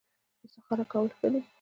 استخاره کول ښه دي